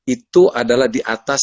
itu adalah di atas